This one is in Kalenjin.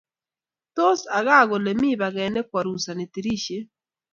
Tos aka kole mi paket ni kwarusani tirishet